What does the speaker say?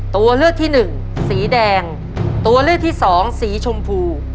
ตัวเลือกที่หนึ่งสีแดงตัวเลือกที่สองสีชมพู